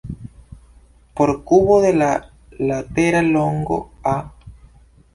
Por kubo de latera longo "a",